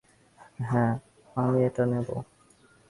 হ্যাঁ, আমি এটা নেব।